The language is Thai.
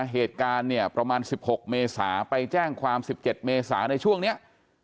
เหตุการณ์เนี่ยประมาณสิบหกเมษาไปแจ้งความสิบเจ็ดเมษาในช่วงเนี้ย